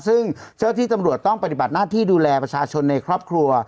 ซึ่งเจ้าที่ตำรวจต้องปฏิบัติหน้าที่ดูแลประชาชนในครอบครัว